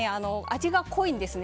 味が濃いんですね。